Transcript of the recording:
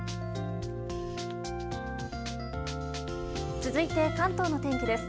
続いて、関東の天気です。